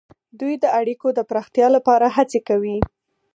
دوی د اړیکو د پراختیا لپاره هڅې کوي